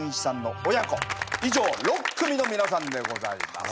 以上６組の皆さんでございます。